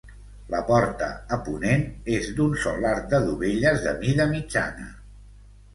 La porta, a ponent, és d'un sol arc de dovelles de mida mitjana.